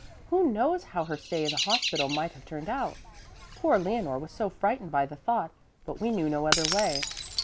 Who knows how her stay in the hospital might have turned out? Poor Leonore was so frightened by the thought; but we knew no other way.